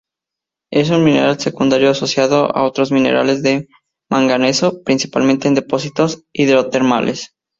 Es un mineral secundario asociado a otros minerales de manganeso, principalmente en depósitos hidrotermales.